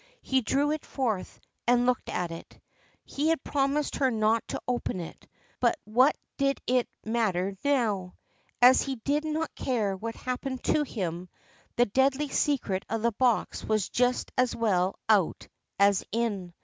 He drew it forth and looked at it. He had promised her not to open it, but what did it matter now ? As he did not care what happened to him, the deadly secret of the box was just as well out as in.